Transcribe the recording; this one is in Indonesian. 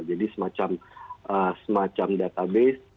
jadi semacam database